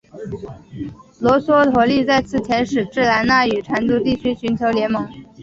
罗娑陀利再次遣使至兰纳与掸族地区寻求联盟。